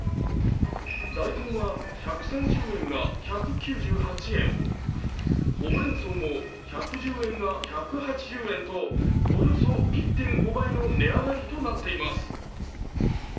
大根は１３０円が１９８円、ほうれんそうも１１０円が１８０円とおよそ１．５倍の値上がりとなっています。